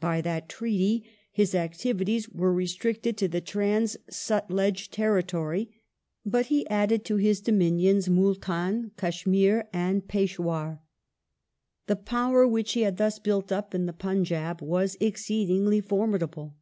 By that treaty his activities were restricted to the Trans Sutlej territory, but he added to his dominions Multdn, Kashmir, and Peshawar. The power which he had thus built up in the Punjab was exceedingly foi midable.